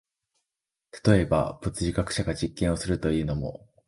例えば、物理学者が実験をするというのも、